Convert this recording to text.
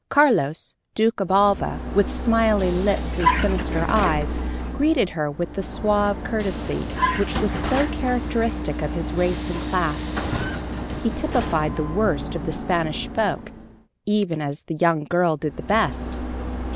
Carlos, Duke of Alva, with smiling lips and sinister eyes, greeted her with the suave courtesy which is so characteristic of his race and class. He typified the worst of the Spanish folk, even as the young girl did the best.